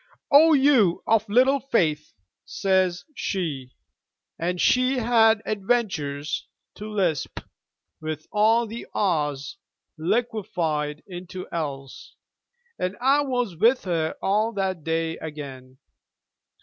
'Oh you of little Faith!' says she. And she had adventures to lisp, with all the r's liquefied into l's, and I was with her all that day again.